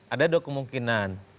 ada dua kemungkinan